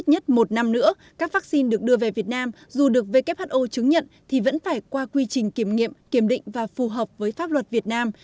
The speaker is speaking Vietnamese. các vaccine được đưa về việt nam dù được who chứng nhận thì vẫn phải qua quy trình kiểm nghiệm kiểm định và phù hợp với pháp luật việt nam